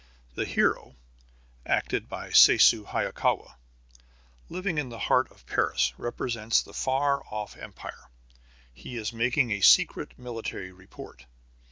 The hero (acted by Sessue Hayakawa), living in the heart of Paris, represents the far off Empire. He is making a secret military report.